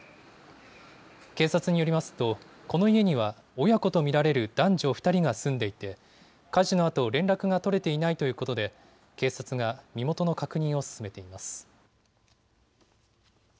警察によりますとこの家には親子と見られる男女２人が住んでいて火事のあと連絡が取れていないということで警察が身元の確認を進めています。